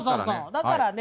だからね